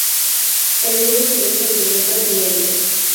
El equipo utiliza bicicletas Merida.